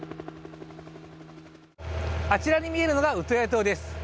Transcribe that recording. あちらに見えるのがウトヤ島です